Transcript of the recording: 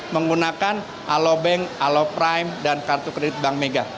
menggunakan alobank aloprime dan kartu kredit bank mega